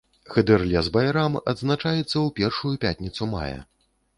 Хыдырлез-байрам адзначаецца ў першую пятніцу мая.